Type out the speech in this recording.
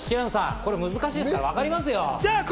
これ難しいからわかりますよ。